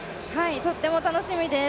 とっても楽しみです。